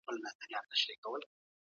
تاریخ باید د تخیل طرز غوره کړي.